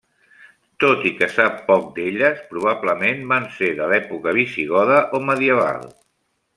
Tot i que se sap poc d'elles, probablement van ser de l'època visigoda o medieval.